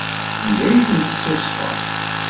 Anda i ten-tessusfeḍ?